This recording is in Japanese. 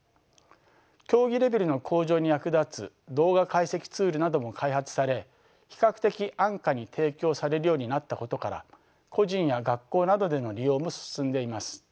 競技レベルの向上に役立つ動画解析ツールなども開発され比較的安価に提供されるようになったことから個人や学校などでの利用も進んでいます。